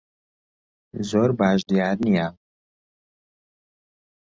زۆر باش دیار نییە.